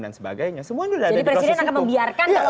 dan sebagainya semua sudah ada di proses hukum